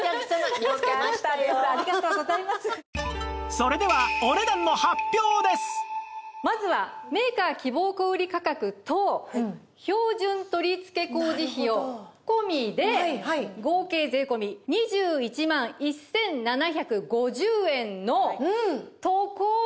それではまずはメーカー希望小売価格と標準取付工事費を込みで合計税込２１万１７５０円のところ。